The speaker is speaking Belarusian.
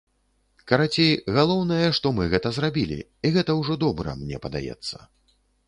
Карацей, галоўнае, што мы гэта зрабілі, і гэта ўжо добра, мне падаецца.